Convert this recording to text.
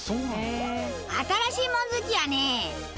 新しいもん好きやね。